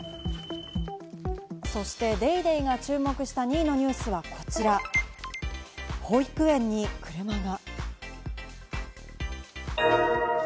そして『ＤａｙＤａｙ．』が注目した２位のニュースがこちら、保育園に車が。